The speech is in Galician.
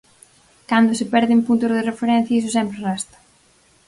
Cando se perden puntos de referencia iso sempre resta.